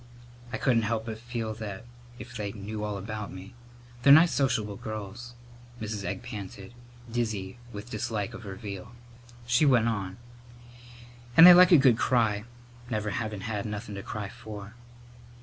"I couldn't help but feel that if they knew all about me " "They're nice sociable girls," Mrs. Egg panted, dizzy with dislike of her veal. She went on: "And they like a good cry, never havin' had nothin' to cry for."